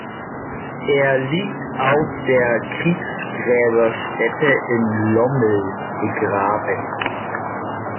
Er liegt auf der Kriegsgräberstätte in Lommel begraben.